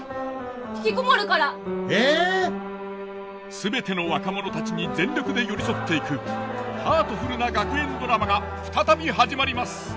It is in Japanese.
全ての若者たちに全力で寄り添っていくハートフルな学園ドラマが再び始まります。